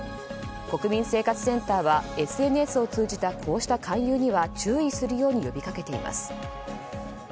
国民生活センターはＳＮＳを通じたこうした勧誘には注意するように呼びかけています。